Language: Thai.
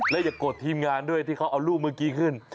อย่าโกรธทีมงานด้วยที่เขาเอารูปเมื่อกี้ขึ้น